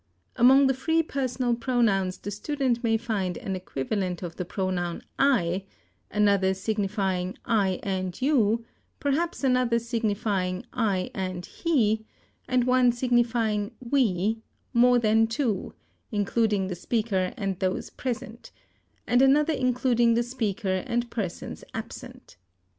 Among the free personal pronouns the student may find an equivalent of the pronoun I, another signifying I and you; perhaps another signifying I and he, and one signifying we, more than two, including the speaker and those present; and another including the speaker and persons absent.